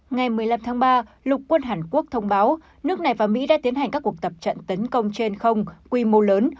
ngày một mươi năm tháng ba lục quân hàn quốc thông báo nước này và mỹ đã tiến hành các cuộc tập trận tấn công trên không quy mô lớn